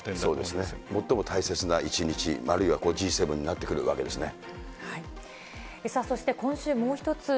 そうですね、最も大切な一日、あるいはＧ７になってくるわけですね。